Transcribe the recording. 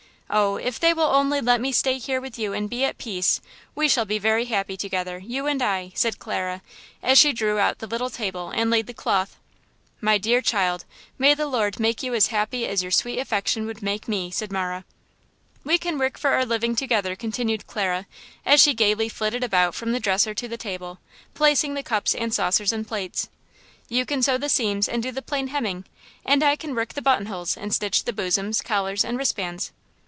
Oh! if they will only let me stay here with you and be at peace, we shall be very happy together, you and I!" said Clara, as she drew out the little table and laid the cloth. "My dear child, may the Lord make you as happy as your sweet affection would make me!" said Marah. "We can work for our living together," continued Clara, as she gaily flitted about from the dresser to the table, placing the cups and saucers and plates. "You can sew the seams and do the plain hemming, and I can work the buttonholes and stitch the bosoms, collars and wristbands!